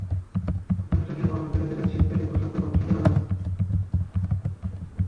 বলছেন, অস্ট্রেলিয়ার permanent residentship পেলেই প্রস্রাব করে বাংলাদেশ চলে যাবেন।